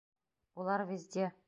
— Улар везде.